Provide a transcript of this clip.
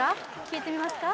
聴いてみますか？